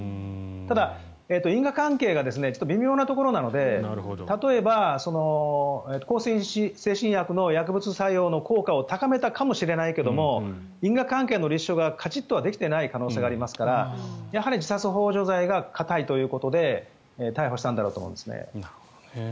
ただ、因果関係が微妙なところなので例えば、向精神薬の薬物作用の効果を高めたかもしれないけども因果関係の立証がかちっとはできていない可能性がありますからやはり自殺ほう助罪が固いということで逮捕したんだと思いますね。